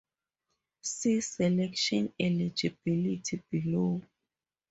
See "Selection eligibility" below.